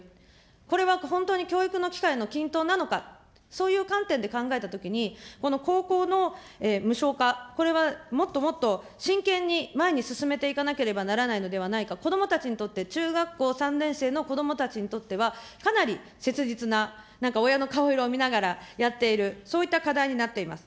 これは本当に教育の機会の均等なのか、そういう観点で考えたときに、この高校の無償化、これはもっともっと真剣に前に進めていかなければならないのではないか、子どもたちにとって、中学校３年生の子どもたちにとっては、かなり切実な、なんか親の顔を見ながら、やっている、そういった課題になっています。